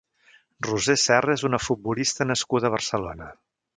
Roser Serra és una futbolista nascuda a Barcelona.